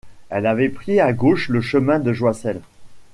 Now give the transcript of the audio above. Elle avait pris à gauche le chemin de Joiselle.